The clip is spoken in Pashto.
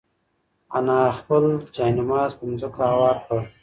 انا خپل جاینماز په ځمکه هوار کړ.